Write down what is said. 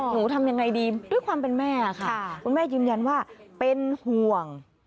ทำยังไงดีด้วยความเป็นแม่ค่ะคุณแม่ยืนยันว่าเป็นห่วง